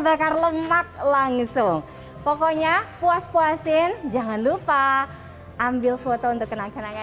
bakar lemak langsung pokoknya puas puasin jangan lupa ambil foto untuk kenang kenangan